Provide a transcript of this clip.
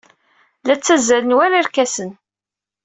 La ttazzalen war irkasen.